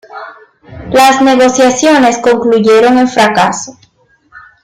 Las negociaciones concluyeron en fracaso.